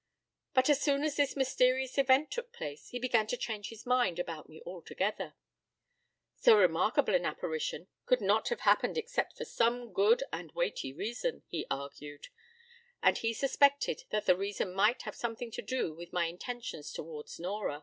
But as soon as this mysterious event took place, he began to change his mind about me altogether. So remarkable an apparition could not have happened except for some good and weighty reason, he argued: and he suspected that the reason might have something to do with my intentions towards Nora.